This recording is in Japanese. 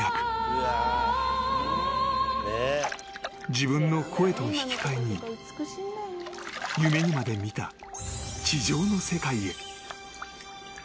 ［自分の声と引き換えに夢にまで見た地上の世界へ］